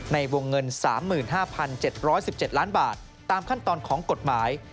ในวงเงิน๓๕๗๑๗ล้านบาทตามขั้นตอนของกฎหมาย